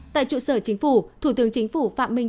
tại trụ sở chính phủ thủ tướng chính phủ phạm minh